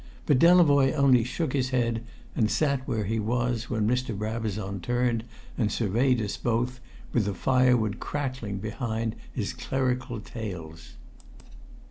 But Delavoye only shook his head, and sat where he was when Mr. Brabazon turned and surveyed us both, with the firewood crackling behind his clerical tails.